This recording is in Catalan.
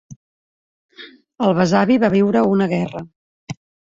El besavi va viure una guerra.